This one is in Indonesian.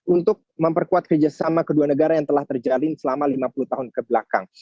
untuk memperkuat kerjasama kedua negara yang telah terjalin selama lima puluh tahun kebelakang